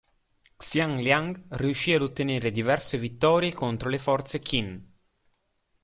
Xiang Liang riuscì ad ottenere diverse vittorie contro le forze Qin.